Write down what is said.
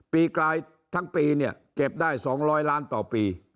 กลายทั้งปีเนี่ยเก็บได้๒๐๐ล้านต่อปี